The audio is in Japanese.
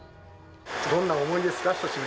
どんな思いですか？